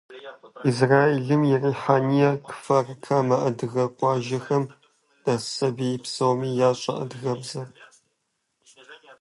Израилым и Рихьэния, Кфар-Камэ адыгэ къуажэхэм дэс сабий псоми ящӀэ адыгэбзэр.